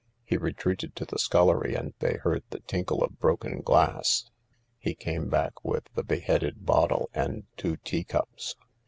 He retreated to the scullery, and they heard the tinkle of broken glass. He came back with the beheaded bottle and two tea cups.